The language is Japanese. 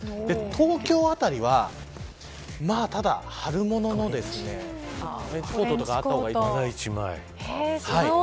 東京辺りは春物のトレンチコートとかあった方がいいかも。